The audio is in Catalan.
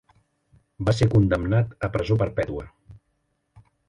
Va ser condemnat a presó perpètua.